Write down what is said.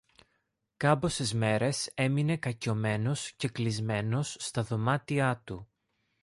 Κάμποσες μέρες έμεινε κακιωμένος και κλεισμένος στα δωμάτιά του.